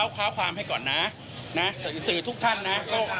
อันนี้ผมท้าวความให้ก่อนนะนะสื่อทุกท่านนะ